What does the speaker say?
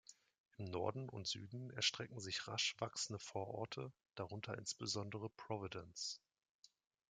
Im Norden und Süden erstrecken sich rasch wachsende Vororte, darunter insbesondere Providence.